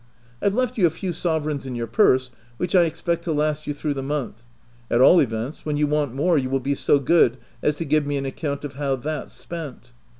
I've left you a few sovereigns in your purse, which I expect to last you through the month — at all events, when you want more you will be so good as to give me an account of how that's spent.